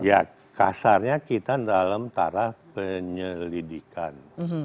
ya kasarnya kita dalam taraf penyelidikan